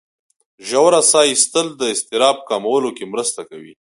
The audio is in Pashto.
ژوره ساه ایستل د اضطراب کمولو کې مرسته کوي.